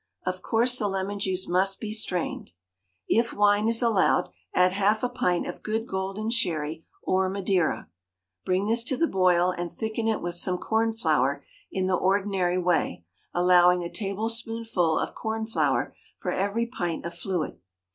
Of course, the lemon juice must be strained. (If wine is allowed, add half a pint of good golden sherry or Madeira.) Bring this to the boil and thicken it with some corn flour in the ordinary way, allowing a tablespoonful of corn flour for every pint of fluid.